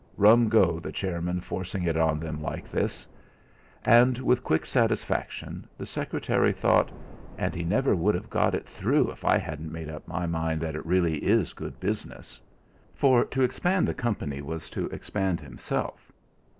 Rum go the chairman forcing it on them like this! And with quiet satisfaction the secretary thought 'And he never would have got it through if I hadn't made up my mind that it really is good business!' For to expand the company was to expand himself.